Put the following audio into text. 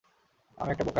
আমি একটা বোকা।